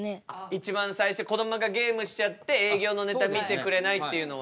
一番最初こどもがゲームしちゃって営業のネタ見てくれないっていうのは。